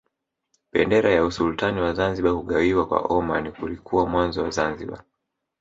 Bendera ya Usultani wa Zanzibar Kugawiwa kwa Omani kulikuwa mwanzo wa Zanzibar